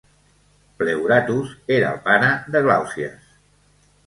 Pleuratus era el pare de Glaucias.